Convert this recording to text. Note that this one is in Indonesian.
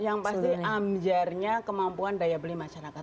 yang pasti amjarnya kemampuan daya beli masyarakat